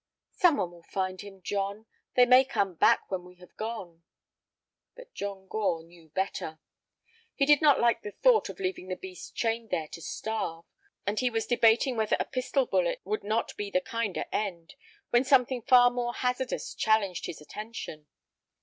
"Some one will find him, John; they may come back when we have gone." But John Gore knew better. He did not like the thought of leaving the beast chained there to starve, and he was debating whether a pistol bullet would not be the kinder end, when something far more hazardous challenged his attention.